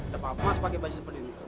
gapapa mas pake baju seperti ini